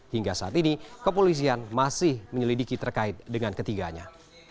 hingga saat ini kepolisian masih menyelidiki terkait dengan ketiganya